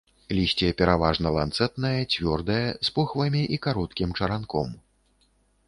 Лісце пераважна ланцэтнае, цвёрдае, з похвамі і кароткім чаранком.